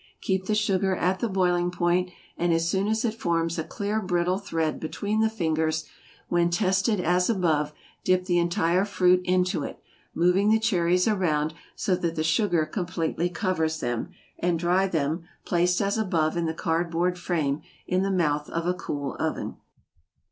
Keep the sugar at the boiling point, and as soon as it forms a clear brittle thread between the fingers, when tested as above, dip the entire fruit into it, moving the cherries around so that the sugar completely covers them, and dry them, placed as above in the card board frame, in the mouth of a cool oven.